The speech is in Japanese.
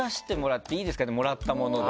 もらったもので。